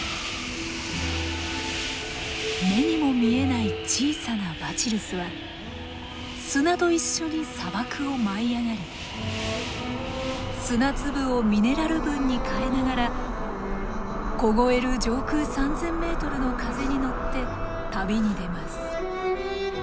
目にも見えない小さなバチルスは砂と一緒に砂漠を舞い上がり砂粒をミネラル分に変えながら凍える上空３，０００ｍの風に乗って旅に出ます。